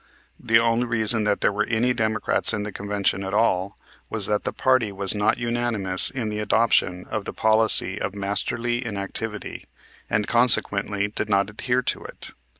The only reason that there were any Democrats in the Convention at all was that the party was not unanimous in the adoption of the policy of "Masterly Inactivity," and consequently did not adhere to it.